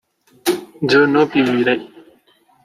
yo no viviré